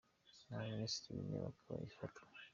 inama Minisitiri w’Intebe, akaba afatwa.